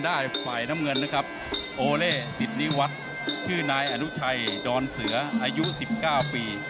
โดเลสินิวัตรคือนายอานุชัยดอนเสืออายุ๑๙ปี